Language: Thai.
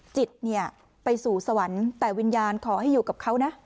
จิตเนี่ยไปสู่สวรรค์แต่วิญญาณขอให้อยู่กับเขานะ